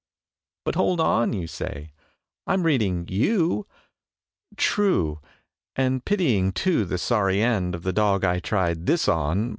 "But hold on," you say, "I am reading you." True, And pitying, too, the sorry end Of the dog I tried this on.